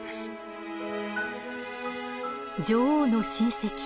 女王の親戚